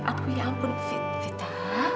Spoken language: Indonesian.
aku ya ampun vita